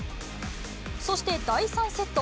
そして第３セット。